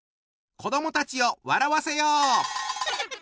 子どもたちを笑わせよう！